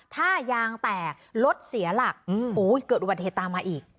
ถ้ายางแตกรถเสียหลักเกิดอุบัติเหตุตามมาอีก